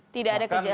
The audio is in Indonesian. tidak ada kejelasan